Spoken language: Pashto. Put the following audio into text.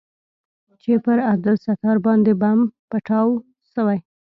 چې پر عبدالستار باندې بم پټاو سوى.